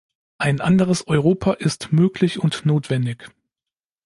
Ein anderes Europa ist möglich und notwendig.